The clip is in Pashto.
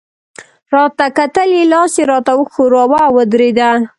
راته کتل يې، لاس يې راته ښوراوه، او ودرېد.